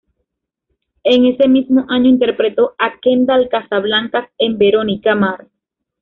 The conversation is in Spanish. En ese mismo año interpretó a Kendall Casablancas en Veronica Mars.